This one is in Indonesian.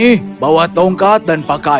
rian rodney bawa tongkat dan pakaian